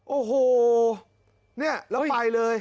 โอ้โหเนี่ยแล้วไปเลย